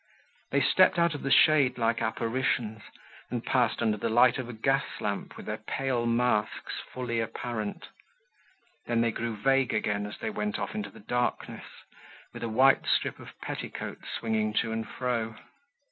They stepped out of the shade like apparitions, and passed under the light of a gas lamp with their pale masks fully apparent; then they grew vague again as they went off into the darkness, with a white strip of petticoat swinging to and fro.